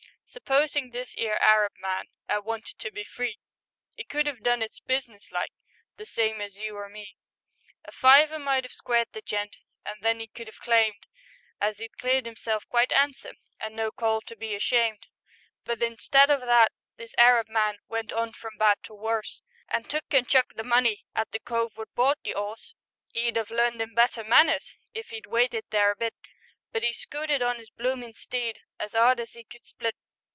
Supposin' this 'ere Arab man 'Ad wanted to be free, 'E could 'ave done it businesslike, The same as you or me; A fiver might 'ave squared the gent, An' then 'e could 'ave claimed As 'e'd cleared 'imself quite 'andsome, And no call to be ashamed. But instead 'o that this Arab man Went on from bad to worse, An' took an' chucked the money At the cove wot bought the 'orse; 'E'd 'ave learned 'im better manners, If 'e'd waited there a bit, But 'e scooted on 'is bloomin' steed As 'ard as 'e could split.